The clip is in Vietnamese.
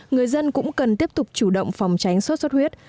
người dân cũng cần tiếp tục chủ động phòng tránh sốt xuất huyết